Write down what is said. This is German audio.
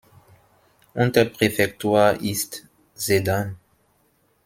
Unterpräfektur ist Sedan.